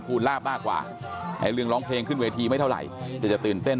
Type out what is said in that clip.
ลาบมากกว่าไอ้เรื่องร้องเพลงขึ้นเวทีไม่เท่าไหร่แต่จะตื่นเต้น